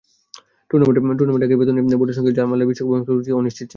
টুর্নামেন্টের আগে বেতন নিয়ে বোর্ডের সঙ্গে ঝামেলায় বিশ্বকাপে অংশগ্রহণই অনিশ্চিত ছিল।